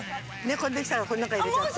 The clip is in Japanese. これできたらこんなかいれちゃって。